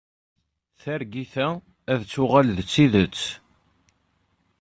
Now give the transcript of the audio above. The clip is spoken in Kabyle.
Targit-a ad tuɣal d tidet.